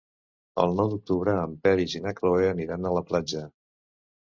El nou d'octubre en Peris i na Cloè aniran a la platja.